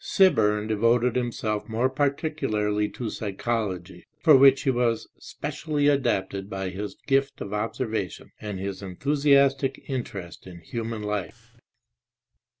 Sibbcrn devoted himself more particularly to psychology, for which he was specially adapted by his gift of observation and his enthusiastic interest in human life.